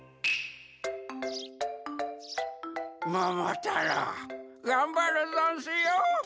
ももたろうがんばるざんすよ。